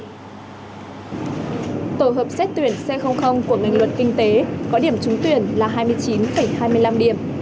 tổ hợp xét tuyển c của ngành luật kinh tế có điểm trúng tuyển là hai mươi chín hai mươi năm điểm